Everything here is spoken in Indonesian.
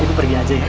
ibu pergi aja ya